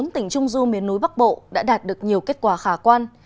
một mươi tỉnh trung du miền núi bắc bộ đã đạt được nhiều kết quả khả quan